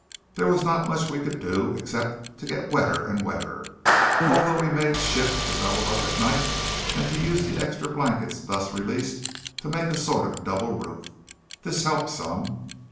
There was not much we could do, except to get wetter and wetter, although we made shift to double up at night, and to use the extra blankets thus released to make a sort of double roof. This helped some.